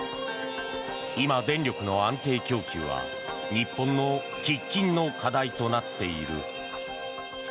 今、電力の安定供給は日本の喫緊の課題となっている。